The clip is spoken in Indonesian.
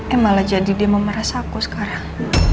emang lah jadi dia memeras aku sekarang